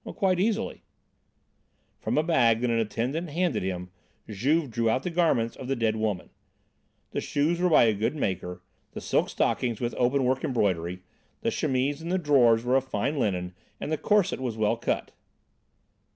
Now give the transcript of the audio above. "Quite easily." From a bag that an attendant handed him Juve drew out the garments of the dead woman. The shoes were by a good maker, the silk stockings with open work embroidery, the chemise and the drawers were of fine linen and the corset was well cut.